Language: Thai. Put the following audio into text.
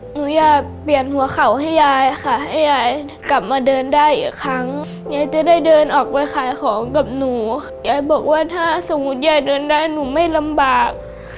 ให้ยายเดินได้หนูไม่ลำบาก